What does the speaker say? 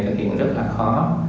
thực hiện rất là khó